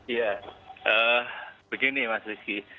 ya begini mas rizky